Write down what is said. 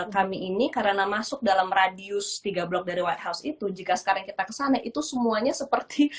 kita masuk dalam radius tiga blok dari white house itu jika sekarang kita ke sana itu semuanya seperti